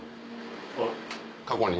過去に？